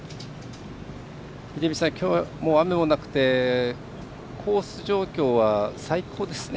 秀道さん、きょう雨もなくてコース状況は最高ですね。